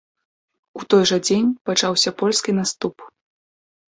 У той жа дзень пачаўся польскі наступ.